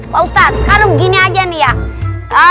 pak ustadz sekarang begini aja nih ya